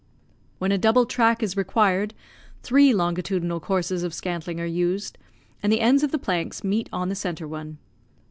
When a double track is required, three longitudinal courses of scantling are used, and the ends of the planks meet on the centre one.